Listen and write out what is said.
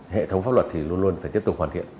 hệ thống pháp luật thì luôn luôn phải tiếp tục hoàn thiện